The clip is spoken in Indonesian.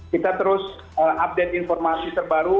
kita terus update informasi terbaru